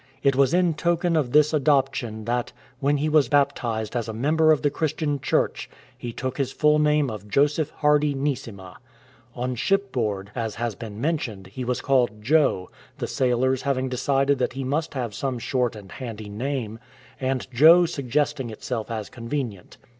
It was in token of this adoption that, when he was baptized as a member of the Christian Church, he took his full name of Joseph Hardy Neesima. On shipboard, as has been mentioned, he was called " Joe,*" the sailors having decided that he must have some short and handy name, and "Joe" suggesting itself as convenient.